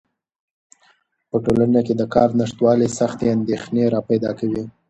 په ټولنه کې د کار نشتوالی سختې اندېښنې راپیدا کوي.